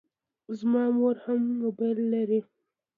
زما مور هم موبایل لري.